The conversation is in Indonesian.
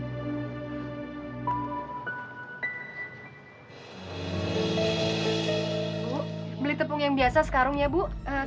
bu beli tepung yang biasa sekarang ya bu